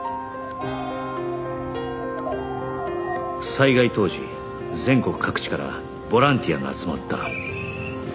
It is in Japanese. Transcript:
災害当時全国各地からボランティアが集まった